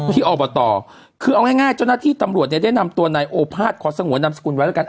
อบตคือเอาง่ายเจ้าหน้าที่ตำรวจเนี่ยได้นำตัวนายโอภาษขอสงวนนามสกุลไว้แล้วกัน